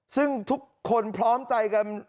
ซึ่งทุกคนพร้อมใจกัน